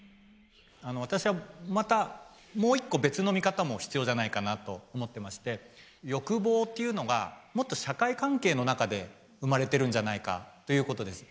私はまたもう一個別の見方も必要じゃないかなと思ってまして欲望というのがもっと社会関係の中で生まれてるんじゃないかということです。